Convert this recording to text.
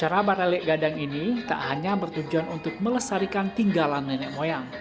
rabar relik gadang ini tak hanya bertujuan untuk melesarikan tinggalan nenek moyang